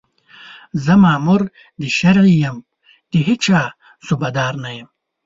زه مامور د شرعي یم، د هېچا صوبه دار نه یم